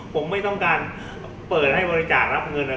ผมไม่ต้องการเปิดให้บริจาครับเงิน